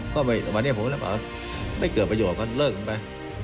ก็วันนี้ผมไม่เกิดประโยชน์เริ่มเลิกกันไป